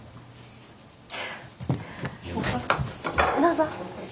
どうぞ。